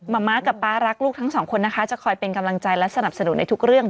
มะม้ากับป๊ารักลูกทั้งสองคนนะคะจะคอยเป็นกำลังใจและสนับสนุนในทุกเรื่อง